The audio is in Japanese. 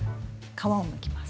皮をむきます。